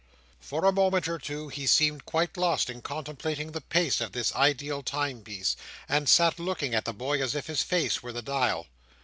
For a moment or two he seemed quite lost in contemplating the pace of this ideal timepiece, and sat looking at the boy as if his face were the dial.